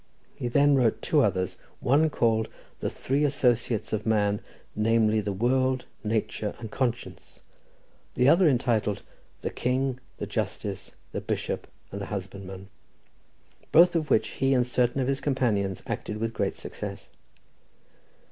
He then wrote two others, one called "The Three Associates of Man, namely the World, Nature, and Conscience;" the other entitled "The King, the Justice, the Bishop and the Husbandman," both of which he and certain of his companions acted with great success.